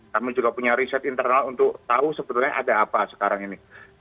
kami juga punya riset internal untuk tahu sebetulnya ada apa sekarang ini